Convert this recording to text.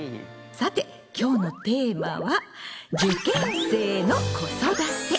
さて今日のテーマは「受験生の子育て」。